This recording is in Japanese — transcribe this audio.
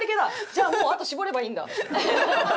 じゃあもうあと絞ればいいんだ。